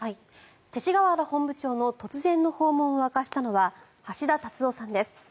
勅使河原本部長の突然の訪問を明かしたのは橋田達夫さんです。